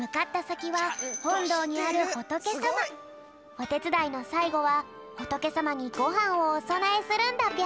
おてつだいのさいごはほとけさまにごはんをおそなえするんだぴょん。